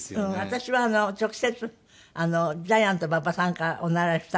私は直接ジャイアント馬場さんからお習いしたんで。